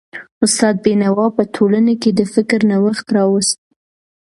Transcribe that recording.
استاد بينوا په ټولنه کي د فکر نوښت راوست.